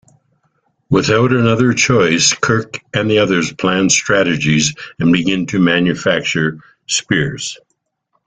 Without another choice, Kirk and the others plan strategies and begin to manufacture spears.